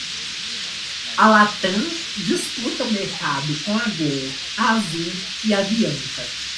A Latam disputa o mercado com a Gol, a Azul e a Avianca.